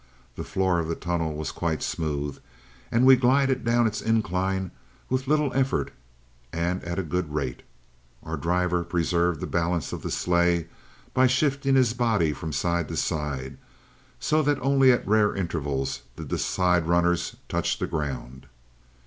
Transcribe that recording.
The floor of the tunnel was quite smooth, and we glided down its incline with little effort and at a good rate. Our driver preserved the balance of the sleigh by shifting his body from side to side so that only at rare intervals did the siderunners touch the ground.